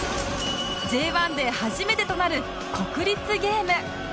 Ｊ１ で初めてとなる国立ゲーム